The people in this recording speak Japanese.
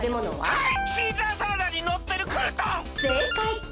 はい！